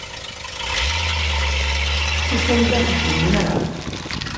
Tufamt-d axeddim, naɣ?